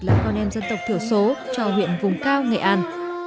là con em dân tộc thiểu số cho huyện vùng cao nghệ an